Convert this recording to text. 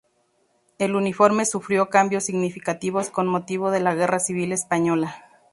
El uniforme sufrió cambios significativos con motivo de la Guerra Civil Española.